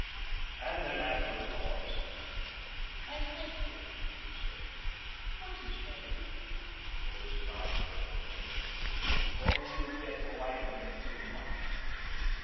And then, after a pause: "I like him," she said. "What's his name?" The Lizard eyed her for a moment. "Don't you get to liking him too much," he said.